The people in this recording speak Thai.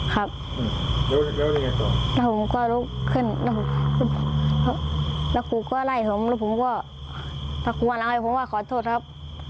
ครับแล้วผมก็ลุกขึ้นแล้วครูก็ไล่ผมแล้วผมก็ประควรเอาให้ผมว่าขอโทษครับ